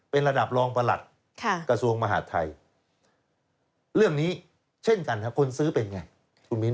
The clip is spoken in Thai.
เป็นระดับรองประหลัดกระทรวงมหาดไทยเรื่องนี้เช่นกันครับคนซื้อเป็นไงคุณมิ้น